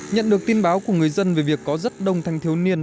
nhận được tin báo của người dân về việc có rất đông thanh thiếu niên